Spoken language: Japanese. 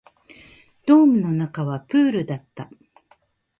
ドームの中はプールだった